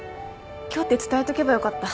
今日って伝えとけばよかった。